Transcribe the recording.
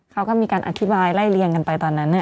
เขาก็มีการอธิบายไล่เลี่ยงกันไปตอนนั้น